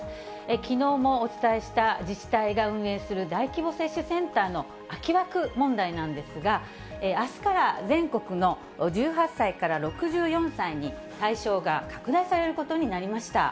きのうもお伝えした自治体が運営する大規模接種センターの空き枠問題なんですが、あすから全国の１８歳から６４歳に対象が拡大されることになりました。